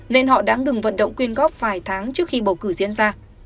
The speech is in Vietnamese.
nên họ đã ngừng vận động quyên góp vài tháng trước khi bầu cử diễn ra